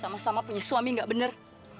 sama sama punya suami nggak benar